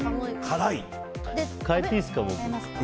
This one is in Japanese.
変えていいですか、僕。